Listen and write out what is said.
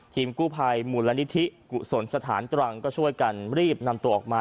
ทีมกู้ภัยมูลนิธิกุศลสถานตรังก็ช่วยกันรีบนำตัวออกมา